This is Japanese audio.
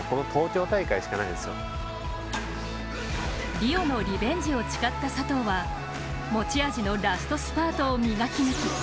リオのリベンジを誓った佐藤は、持ち味のラストスパートを磨き抜き